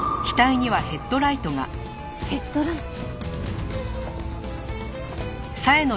ヘッドライト？